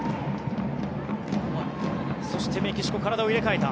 そしてメキシコ体を入れ替えた。